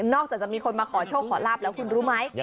อกจากจะมีคนมาขอโชคขอลาบแล้วคุณรู้ไหม